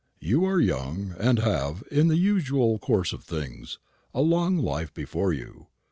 You are young, and have, in the usual course of things, a long life before you.